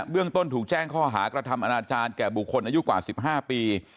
เรื่องต้นถูกแจ้งข้อหากระทำอนาจารย์แก่บุคคลอายุกว่า๑๕ปี